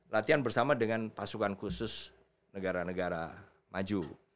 latihan bersama dengan pasukan khusus negara negara maju